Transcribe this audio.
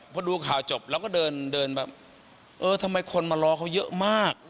พอดูข่าวจบเราก็เดินเดินแบบเออทำไมคนมารอเขาเยอะมาก